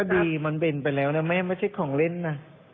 ดีมันเป็นไปแล้วนะแม่ไม่ใช่ของเล่นนะ